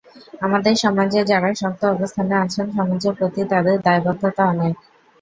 আমাদের সমাজে যাঁরা শক্ত অবস্থানে আছেন, সমাজের প্রতি তাঁদের দায়বদ্ধতা অনেক।